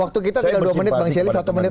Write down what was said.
waktu kita tinggal dua menit bang celi satu menit